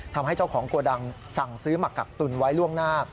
ทำให้เจ้าของโกดังสั่งซื้อหมักกักตุนไว้ล่วงหน้า